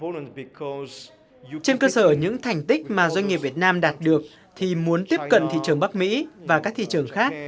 trên cơ sở những thành tích mà doanh nghiệp việt nam đạt được thì muốn tiếp cận thị trường bắc mỹ và các thị trường khác